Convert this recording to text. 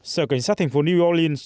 sở cảnh sát thành phố new orleans